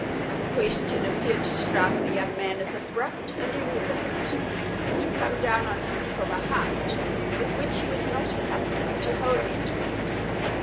The question appeared to strike the young man as abrupt and irrelevant, to come down on him from a height with which he was not accustomed to hold intercourse.